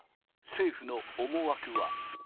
政府の思惑は。